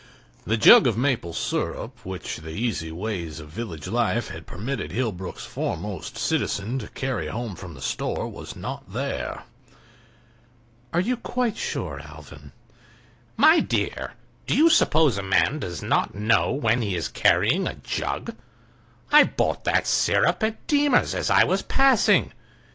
The jug of maple sirup which the easy ways of village life had permitted Hillbrook's foremost citizen to carry home from the store was not there. "Are you quite sure, Alvan?" "My dear, do you suppose a man does not know when he is carrying a jug? I bought that sirup at Deemer's as I was passing.